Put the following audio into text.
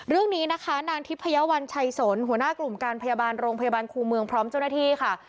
เรื่องนี้นะคะนางทิพยาวัญชัยสนหัวหน้ากลุ่มการพยาบาลโรงพยาบาลครูเมืองพร้อมเจ้าหน้าที่ค่ะ